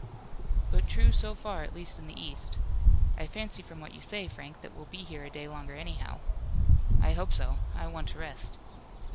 "But true so far, at least in the east. I fancy from what you say, Frank, that we'll be here a day longer anyhow. I hope so, I want to rest."